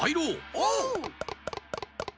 おう！